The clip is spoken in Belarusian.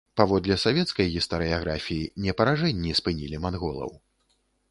Паводле савецкай гістарыяграфіі, не паражэнні спынілі манголаў.